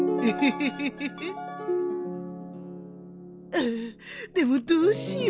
ああでもどうしよう